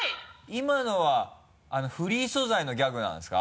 今のはフリー素材のギャグなんですか？